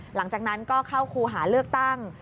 หลังจากนั้นก็เข้าครูหาเลือกตั้ง